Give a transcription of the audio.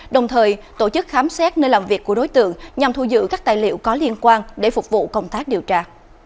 đồng thời tổ chức khám xét nơi làm việc của đối tượng nhằm thu giữ các tài liệu có liên quan để phục vụ công tác điều tra